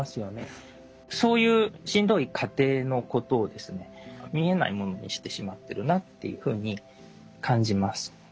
そういうしんどい家庭のことを見えないものにしてしまってるなというふうに感じます。